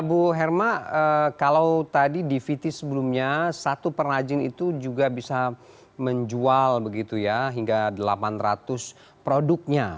bu herma kalau tadi di vt sebelumnya satu perajin itu juga bisa menjual begitu ya hingga delapan ratus produknya